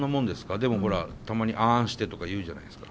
でもほらたまにあんしてとか言うじゃないですか。